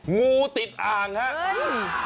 งูติดอ่างครับ